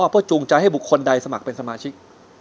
เพื่อจูงใจให้บุคคลใดสมัครเป็นสมาชิก